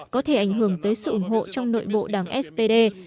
có thể ảnh hưởng tới sự ủng hộ trong nội bộ đảng spd